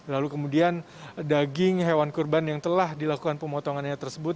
lalu kemudian daging hewan kurban yang telah dilakukan pemotongannya tersebut